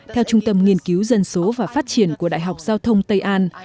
theo trung tâm nghiên cứu dân số và phát triển của đại học giao thông tây an